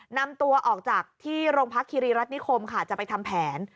นำตัวออกจากที่โรงพักคิรีรัฐนิคมค่ะจะไปทำแผน